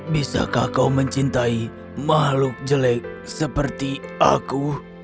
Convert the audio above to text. bisakah kau mencintai makhluk jelek seperti aku